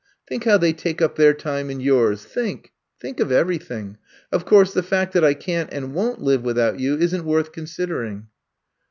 Think how they take up their time and yours. Think — think of everything! Of course, the fact that I can't and won't live without you isn't worth considering.